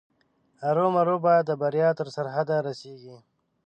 ارومرو به د بریا تر سرحده رسېږي.